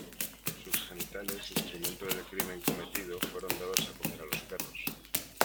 Sus genitales, instrumento del crimen cometido, fueron dados a comer a los perros.